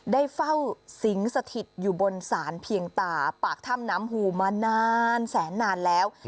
ได้เฝ้าสิงสถิตอยู่บนศาลเพียงตาปากถ้ำน้ำหูมานานแสนนานแล้ว